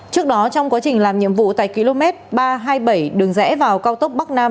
trước đó trong quá trình làm nhiệm vụ tại km ba trăm hai mươi bảy đường rẽ vào cao tốc bắc nam